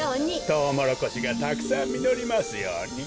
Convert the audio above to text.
トウモロコシがたくさんみのりますように。